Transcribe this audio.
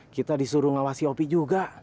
kita disuruh ngawasi kopi juga